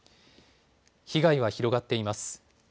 被害は広がっています。